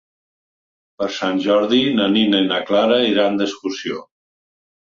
Per Sant Jordi na Nina i na Clara iran d'excursió.